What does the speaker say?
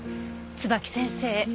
椿木先生